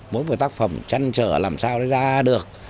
mỗi một tác phẩm chăn trở làm sao nó ra được